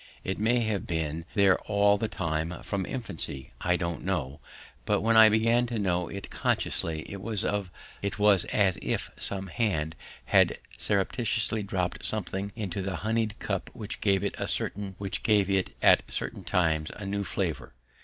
It may have been there all the time from infancy I don't know; but when I began to know it consciously it was as if some hand had surreptitiously dropped something into the honeyed cup which gave it at certain times a new flavour.